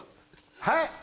はい？